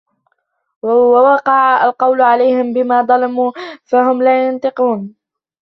وَوَقَعَ الْقَوْلُ عَلَيْهِمْ بِمَا ظَلَمُوا فَهُمْ لَا يَنْطِقُونَ